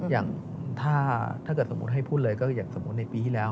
อย่างถ้าเกิดสมมุติให้พูดเลยก็อย่างสมมุติในปีที่แล้ว